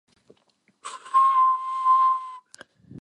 League play began in early January and ended in early March.